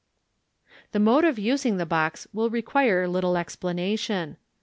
The mode of using the box will require liule explanation.